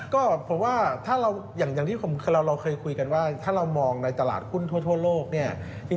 ก็ผมว่าถ้าเราอย่างที่เราเคยคุยกันว่าถ้าเรามองในตลาดหุ้นทั่วโลกเนี่ย